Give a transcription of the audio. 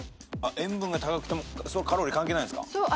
塩分が高くてもカロリー関係ないんすか？